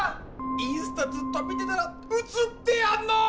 インスタずっと見てたら写ってやんのー！